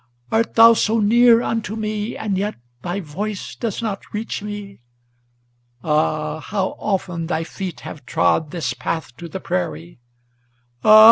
Art thou so near unto me, and yet thy voice does not reach me? Ah! how often thy feet have trod this path to the prairie! Ah!